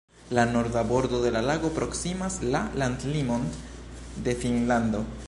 La norda bordo de la lago proksimas la landlimon de Finnlando.